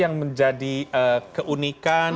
yang menjadi keunikan